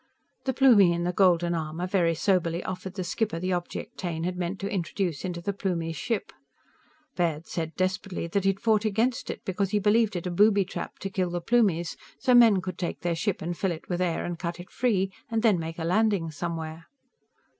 _" The Plumie in the golden armor very soberly offered the skipper the object Taine had meant to introduce into the Plumie's ship. Baird said desperately that he'd fought against it, because he believed it a booby trap to kill the Plumies so men could take their ship and fill it with air and cut it free, and then make a landing somewhere.